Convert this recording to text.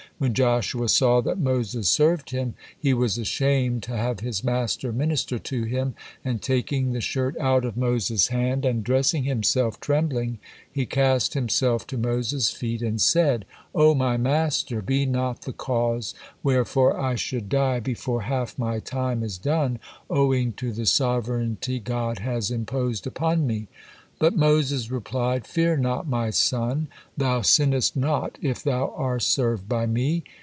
When Joshua saw that Moses served him, he was ashamed to have his master minister to him, and taking the shirt out of Moses' hand, and dressing himself, trembling, he cast himself to Moses' feet and said: "O my master, be not the cause wherefore I should die before half my time is done, owing to the sovereignty God has imposed upon me." But Moses replied: "Fear not, my son, thou sinnest not if thou are served by me.